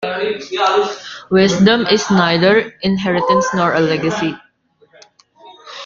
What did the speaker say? Wisdom is neither inheritance nor a legacy.